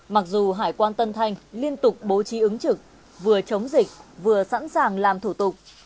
mặc dù hải quan tân thanh liên tục bố trí ứng trực vừa chống dịch vừa sẵn sàng làm thủ tục